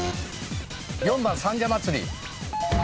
４番三社祭。